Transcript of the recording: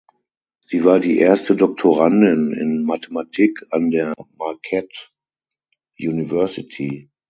Sie war die erste Doktorandin in Mathematik an der Marquette University.